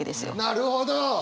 なるほど！